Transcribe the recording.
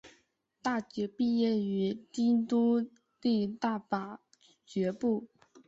大学毕业于京都帝大法学部。